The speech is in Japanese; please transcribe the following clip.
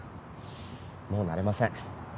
もうなれません。